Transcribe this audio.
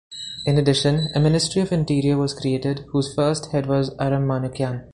In addition, a ministry of interior was created, whose first head was Aram Manukyan.